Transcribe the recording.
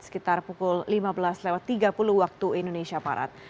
sekitar pukul lima belas tiga puluh waktu indonesia barat